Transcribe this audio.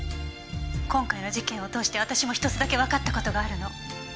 今回の事件を通して私も１つだけわかった事があるの。